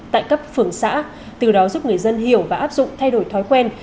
tại cấp phường xã từ đó giúp người dân hiểu và áp dụng thay đổi thói quen